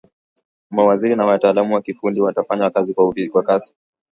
mawaziri na wataalamu wa kiufundi watafanya kazi kwa kasi